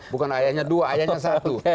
bukan ayahnya dua ayahnya satu